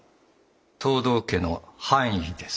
藤堂家の藩医です。